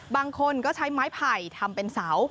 บางคนก็ใช้ไม้ไผ่ทำเป็นเสา